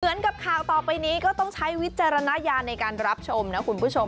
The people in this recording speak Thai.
กับข่าวต่อไปนี้ก็ต้องใช้วิจารณญาณในการรับชมนะคุณผู้ชม